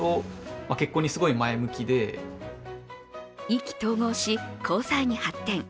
意気投合し、交際に発展。